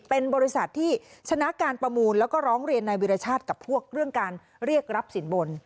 เป็นบริษัทที่ชนะการประมูลแล้วก็ร้องเรียนนายวิรชาติกับพวกเรื่องการเรียกรับสินบน